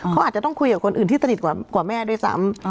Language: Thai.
เขาอาจจะต้องคุยกับคนอื่นที่สนิทกว่าแม่ด้วยซ้ำ